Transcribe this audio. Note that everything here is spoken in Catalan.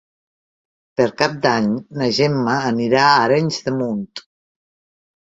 Per Cap d'Any na Gemma anirà a Arenys de Munt.